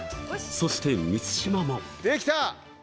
そして満島も出来た！